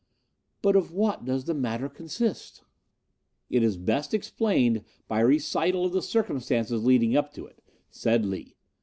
'But of what does the matter consist?' "'It is the best explained by a recital of the circumstances leading up to it,' said Lee.